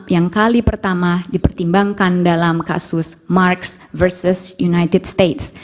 yang kali pertama dipertimbangkan dalam kasus marks versus united states